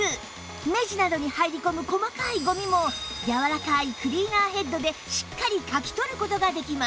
目地などに入り込む細かいゴミもやわらかいクリーナーヘッドでしっかりかき取る事ができます